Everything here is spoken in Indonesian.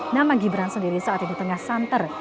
nama gibran sendiri saat ini tengah santer